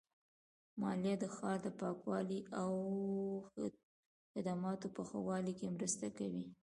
مالیه د ښار د پاکوالي او خدماتو په ښه والي کې مرسته کوي.